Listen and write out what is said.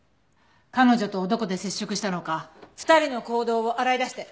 彼女とどこで接触したのか２人の行動を洗い出して。